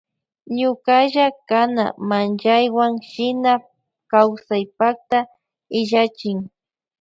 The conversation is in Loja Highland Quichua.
Ñukalla kana manllaywan shina kawsaypakta illachin.